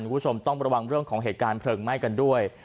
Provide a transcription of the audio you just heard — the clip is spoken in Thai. คุณผู้ชมต้องระวังเรื่องของเหตุการณ์เพลิงไหม้กันด้วย